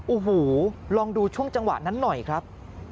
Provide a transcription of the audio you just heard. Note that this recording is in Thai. อุ้ยลองดูช่วงจังหวะนั้นน่ะครับ